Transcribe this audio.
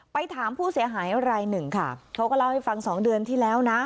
ไปถามผู้เสียหายรายหนึ่งค่ะเขาก็เล่าให้ฟังสองเดือนที่แล้วนะ